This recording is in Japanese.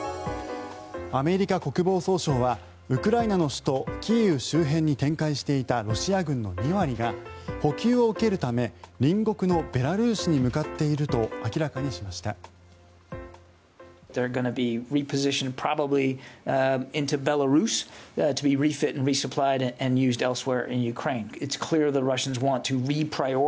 アメリカ国防総省はウクライナの首都キーウ周辺に展開していたロシア軍の２割が補給を受けるため隣国のベラルーシに向かっていると明らかにしました。